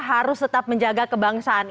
harus tetap menjaga kebangsaan